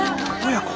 親子？